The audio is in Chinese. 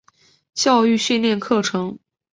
教育训练课程